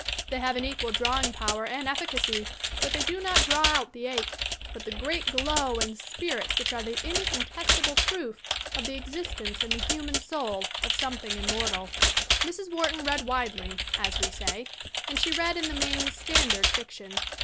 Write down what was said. They have an equal drawing power and efficacy, but they do not draw out the ache but the great glow and spirit which are the incontestable proof of the existence in the human soul of something immortal. Mrs. Wharton read widely, as we say, and she read in the main "standard" fiction.